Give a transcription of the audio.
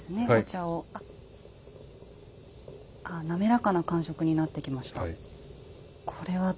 滑らかな感触になってきました。